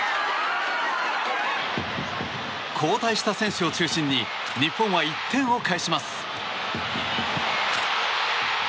交代した選手を中心に日本は１点を返します。